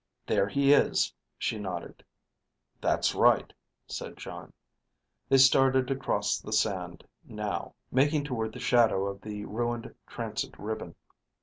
"There he is," she nodded. "That's right," said Jon. They started across the sand, now, making toward the shadow of the ruined transit ribbon.